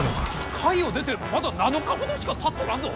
甲斐を出てまだ７日ほどしかたっとらんぞ！？